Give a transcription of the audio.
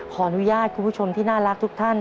ขออนุญาตคุณผู้ชมที่น่ารักทุกท่าน